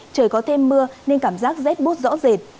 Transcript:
trời có thêm mưa nên cảm giác rét bút rõ rệt